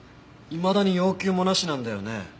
いまだに要求もなしなんだよね？